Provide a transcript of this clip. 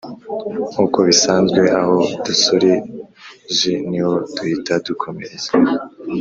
nkuko bisanzwe aho dusoreje niho duhita dukomereza